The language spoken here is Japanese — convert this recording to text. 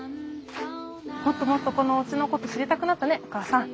もっともっとこのおうちのこと知りたくなったねお母さん。